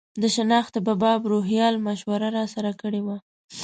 د شنختې په باب روهیال مشوره راسره کړې وه.